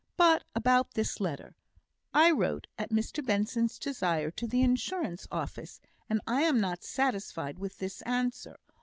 "But about this letter. I wrote, at Mr Benson's desire, to the Insurance Office, and I am not satisfied with this answer.